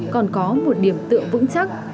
còn có một điểm tựa vững chắc